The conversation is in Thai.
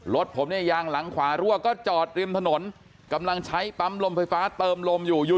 รถผมเนี่ยยางหลังขวารั่วก็จอดริมถนนกำลังใช้ปั๊มลมไฟฟ้าเติมลมอยู่อยู่